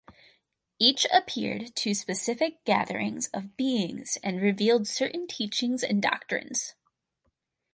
Each appeared to specific gatherings of beings and revealed certain teachings and doctrines.